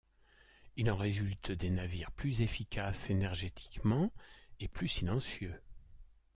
Il en résulte des navires plus efficaces énergétiquement et plus silencieux.